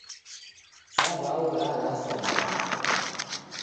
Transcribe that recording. Saw'au ralaswa na magho.